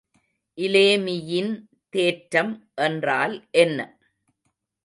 இலேமியின் தேற்றம் என்றால் என்ன?